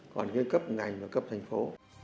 còn cái cấp ngành là cấp thành phố